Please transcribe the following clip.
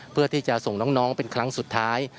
เพื่อที่จะส่งน้องเป็นครั้งสุดท้าย